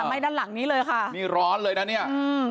อ๋อถามให้ด้านหลังนี้เลยค่ะร้อนเลยนะเนี่ย